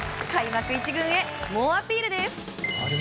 開幕１軍へ猛アピールです。